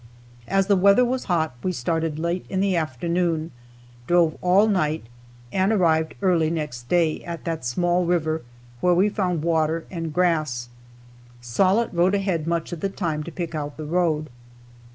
As the weather was hot we started late in the afternoon, drove all night, and arrived early next day, at that small river, where we found water and grass. Sollitt rode ahead much of the time to pick out the road.